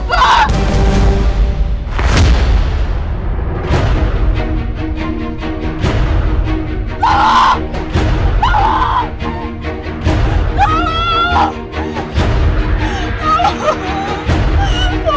bapak jangan gitu gitu cinta